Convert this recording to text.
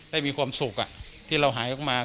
ได้มีความสุขที่เราหายออกมา